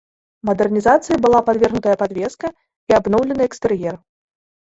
Мадэрнізацыі была падвергнутая падвеска і абноўлены экстэр'ер.